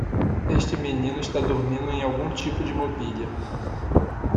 Este menino está dormindo em algum tipo de mobília.